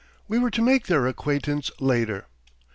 We were to make their acquaintance later.